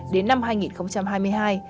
đến năm hai nghìn hai mươi hai